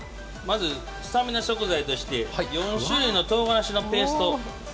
まずスタミナ食材として４種類のとうがらしのペーストを。